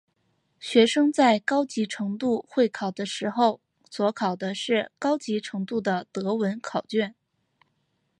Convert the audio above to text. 学生在高级程度会考的时候所考的是高级程度的德文考卷。